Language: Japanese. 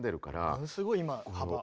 ものすごい今幅。